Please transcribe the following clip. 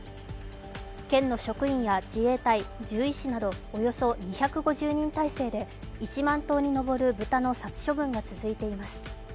県の職員や自衛隊、獣医師などおよそ２５０人態勢で１万頭にのぼる豚の殺処分が続いています。